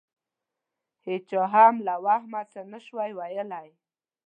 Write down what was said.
هېچا هم له وهمه څه نه شوای ویلای.